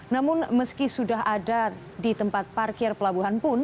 namun meski sudah ada di tempat parkir pelabuhan pun